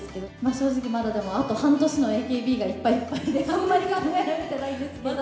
正直、まだでもあと半年のＡＫＢがいっぱいいっぱいで、あんまり考えられてないんですけど。